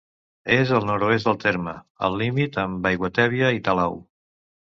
És al nord-oest del terme, al límit amb Aiguatèbia i Talau.